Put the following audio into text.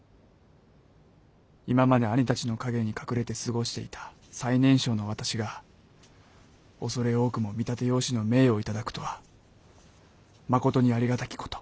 今まで兄たちの陰に隠れて過ごしていた最年少の私が畏れ多くも見立て養子の命を頂くとはまことにありがたきこと。